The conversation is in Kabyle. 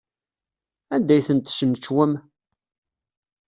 Anda ay ten-tesnecwem?